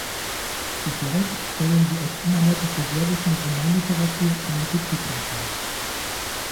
Zugleich stellen sie auch innerhalb der serbischen Romanliteratur einen Gipfelpunkt dar.